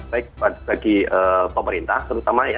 baik bagi pemerintah terutama ya